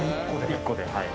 一個ではい。